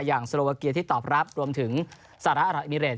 อย่างโซโลวาเกียร์ที่ตอบรับรวมถึงศาลาอัลอิมิเรต